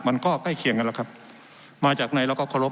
มันก็ใกล้เคียงกันแหละครับมาจากไหนแล้วก็ขอรบ